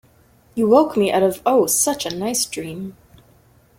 You woke me out of, oh such a nice dream!